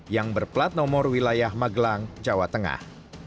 yang berplat nomor wilayah magelang jawa tengah